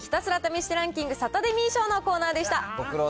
ひたすら試してランキングサタデミー賞のコーナーでした。